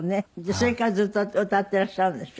それからずっと歌っていらっしゃるんでしょ？